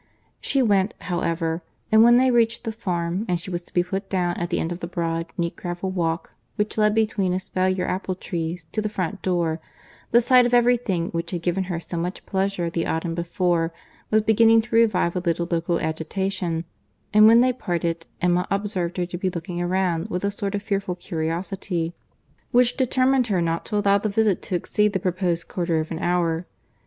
She went, however; and when they reached the farm, and she was to be put down, at the end of the broad, neat gravel walk, which led between espalier apple trees to the front door, the sight of every thing which had given her so much pleasure the autumn before, was beginning to revive a little local agitation; and when they parted, Emma observed her to be looking around with a sort of fearful curiosity, which determined her not to allow the visit to exceed the proposed quarter of an hour.